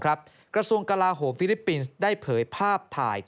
กระทรวงกลาโหมฟิลิปปินส์ได้เผยภาพถ่าย